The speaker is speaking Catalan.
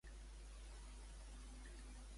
Què se li va ocórrer a Begues?